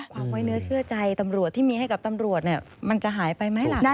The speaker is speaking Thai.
ความไว้เนื้อเชื่อใจตำรวจที่มีให้กับตำรวจมันจะหายไปไหมล่ะ